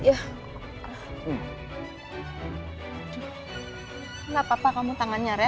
enggak apa apa kamu tangannya ren